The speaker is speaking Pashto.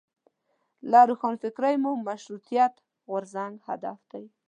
له روښانفکرۍ مو مشروطیت غورځنګ هدف دی.